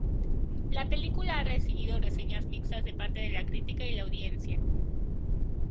La película ha recibido reseñas mixtas de parte de la crítica y la audiencia.